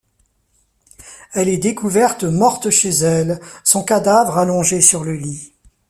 Elle est découverte morte chez elle, son cadavre allongé sur le lit.